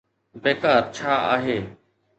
بيڪار ڇا آهي؟